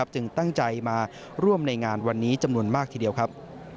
จึงตั้งใจมาร่วมในงานวันนี้จำนวนมากทีเดียวครับ